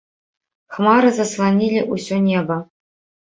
Хмары засланілі ўсё неба.